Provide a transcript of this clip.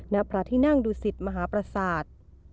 ณพระที่นั่งดูสิตมหาประสาท